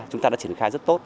chúng ta đã triển khai rất tốt